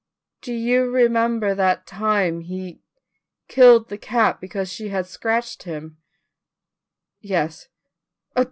"Do you remember that time he killed the cat because she had scratched him?" "Yes.